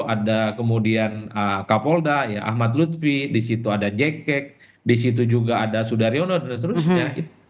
ada kemudian kapolda ahmad lutfi di situ ada jakek di situ juga ada sudaryono dan seterusnya